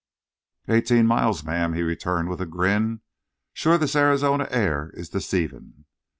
"Eighteen miles, ma'am," he returned, with a grin. "Shore this Arizonie air is deceivin'."